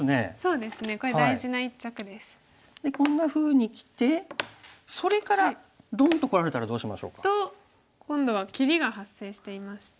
でこんなふうにきてそれからドンとこられたらどうしましょう？と今度は切りが発生していまして。